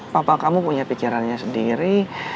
papa kamu punya pikirannya sendiri